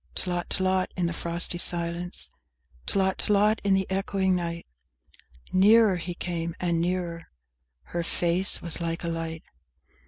VII Tlot tlot, in the frosty silence! Tlot tlot, in the echoing night! Nearer he came and nearer! Her face was like a light!